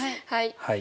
はい。